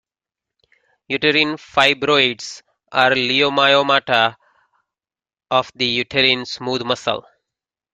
Uterine fibroids are leiomyomata of the uterine smooth muscle.